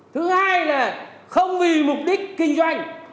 thứ hai là không vì mục đích kinh doanh